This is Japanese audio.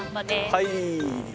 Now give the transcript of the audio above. はい。